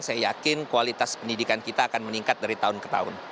saya yakin kualitas pendidikan kita akan meningkat dari tahun ke tahun